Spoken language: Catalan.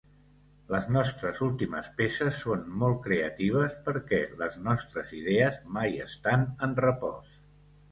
Les nostres últimes peces són molt creatives perquè les nostres idees mai estan en repòs.